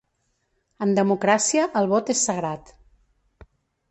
En democràcia el vot és sagrat.